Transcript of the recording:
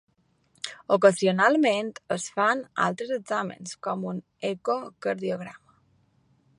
Ocasionalment es fan altres exàmens com un ecocardiograma.